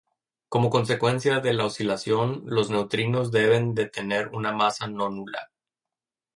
Como consecuencia de la oscilación, los neutrinos deben de tener una masa no nula.